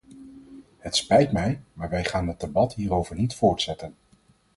Het spijt mij, maar wij gaan het debat hierover niet voortzetten.